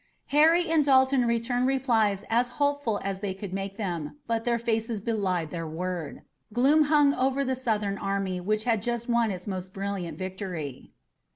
Harry and Dalton returned replies as hopeful as they could make them, but their faces belied their word. Gloom hung over the Southern army which had just won its most brilliant victory.